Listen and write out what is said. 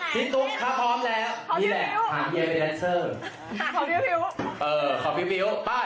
พี่ตุ๊กค่ะพร้อมแล้วนี่แหละขอพี่พิวไป